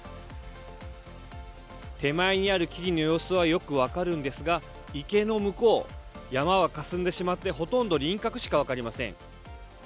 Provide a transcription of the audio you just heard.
手前にある木々の様子はよく分かるんですが、池の向こう、山はかすんでしまってほとんど輪郭しか分かりません。